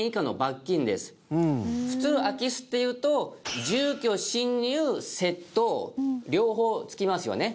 普通空き巣っていうと住居侵入窃盗両方つきますよね。